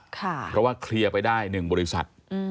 เพราะว่าเคลียร์ไปได้๑บริษัท